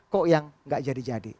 kok yang gak jadi jadi